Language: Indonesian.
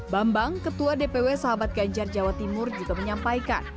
bambang ketua dpw sahabat ganjar jawa timur juga menyampaikan